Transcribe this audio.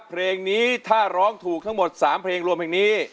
เพลงนี้ถ้าร้องถูกทั้งหมด๓เพลงรวมเพลงนี้